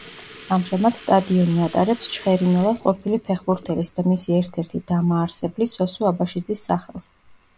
ამჟამად სტადიონი ატარებს „ჩხერიმელას“ ყოფილი ფეხბურთელის და მისი ერთ–ერთი დამაარსებლის სოსო აბაშიძის სახელს.